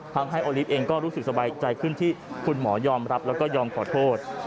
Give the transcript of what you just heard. โอลิฟต์เองก็รู้สึกสบายใจขึ้นที่คุณหมอยอมรับแล้วก็ยอมขอโทษ